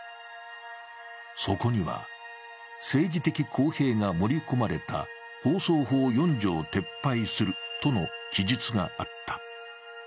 そこには、政治的公平が盛り込まれた放送法４条を撤廃するとの記述があった。